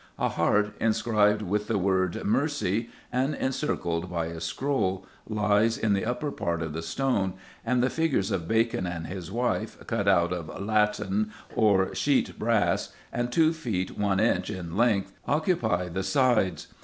A heart, inscribed with the word "Mercy," and encircled by a scroll, lies in the upper part of the stone, and the figures of Bacon and his wife, cut out of "latten" or sheet brass, and two feet one inch in length, occupy the sides.